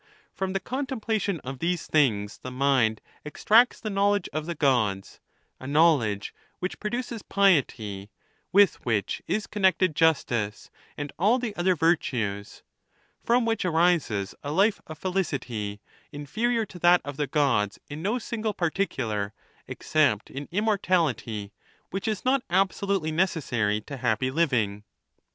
From the contemplation of these things the mind extracts the knowledge of the Gods — a knowledge which produces piety, with which is connected justice, and all the other virtues; from which arises a life of felicity, inferior to that of the Gods in no single partic ular, except in immortality, which is not absolutely neces 14 ^ 314 THE NATUEE OF THE GODS. sary to happy living.